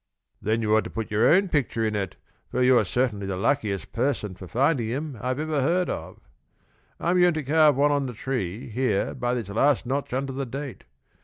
"Then you ought to put your own picture in it, for you're certainly the luckiest person for finding them I ever heard of. I'm going to carve one on the tree, here by this last notch under the date.